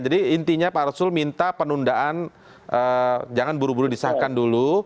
jadi intinya pak arsul minta penundaan jangan buru buru disahkan dulu